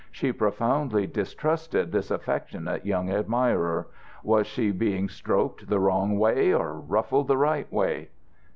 She profoundly distrusted this affectionate young admirer. Was she being stroked the wrong way or ruffled the right way?